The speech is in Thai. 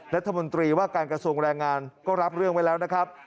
รัฐมนตรีว่าการกระทรวงแรงงานก็รับเรื่องไว้แล้วนะครับ